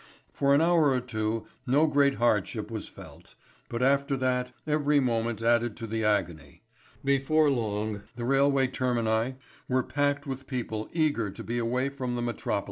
For an hour or two no great hardship was felt, but after that every moment added to the agony. Before long the railway termini were packed with people eager to be away from the metropolis.